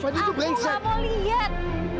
aku gak mau liat